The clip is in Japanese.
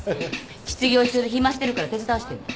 失業中で暇してるから手伝わしてんの。